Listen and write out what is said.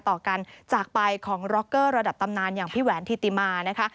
ต่อการจากไปของร็อกเกอร์ระดับตำนานอย่างพี่แหวนธิติมานะคะ